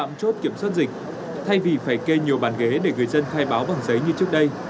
trạm chốt kiểm soát dịch thay vì phải kê nhiều bàn ghế để người dân khai báo bằng giấy như trước đây